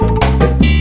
sangat musik reignis